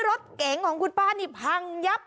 รถเก๋งของคุณป้านี่พังยับ